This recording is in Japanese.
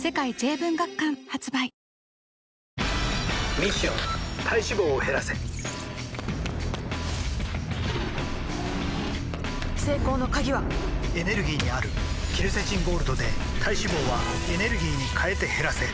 ミッション体脂肪を減らせ成功の鍵はエネルギーにあるケルセチンゴールドで体脂肪はエネルギーに変えて減らせ「特茶」